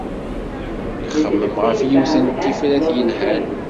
Ixemmem ɣef yiwet n tifrat yelhan.